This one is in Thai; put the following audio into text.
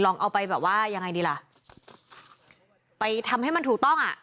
เอาไปแบบว่ายังไงดีล่ะไปทำให้มันถูกต้องอ่ะ